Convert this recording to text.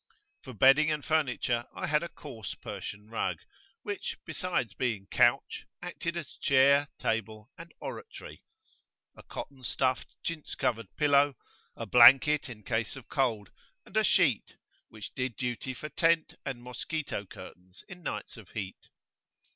For bedding and furniture I had a coarse Persian rug which, besides being couch, acted as chair, table, and oratory a cotton stuffed chintz covered pillow, a blanket in case of cold, and a sheet, which did duty for tent and mosquito curtains in nights of heat.